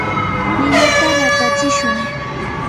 ninata ratatsishun.